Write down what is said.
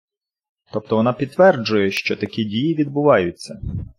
Тобто вона підтверджує, що такі дії відбуваються.